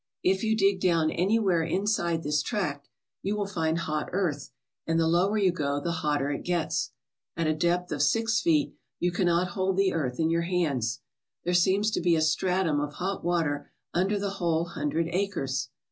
If you dig down anywhere inside this tract you will find hot earth, and the lower you go the hotter it gets. At a depth of six feet you cannot hold the earth in your hands. There seems to be a stratum of hot water under the whole , hundred acres.